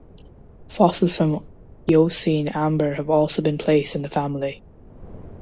Fossils from Eocene amber have also been placed in the family.